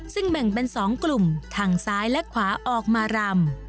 ซึ่งแบ่งเป็น๒กลุ่มทางซ้ายและขวาออกมารำ